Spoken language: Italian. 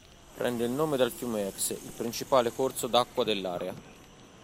Prende il nome dal fiume Exe, il principale corso d'acqua dell'area.